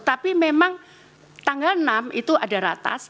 tapi memang tanggal enam itu ada ratas